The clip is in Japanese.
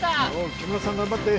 木村さん頑張って！